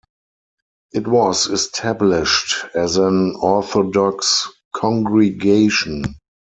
It was established as an Orthodox congregation.